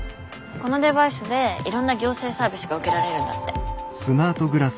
このデバイスでいろんな行政サービスが受けられるんだって。